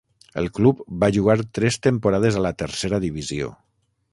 El club va jugar tres temporades a la Tercera Divisió.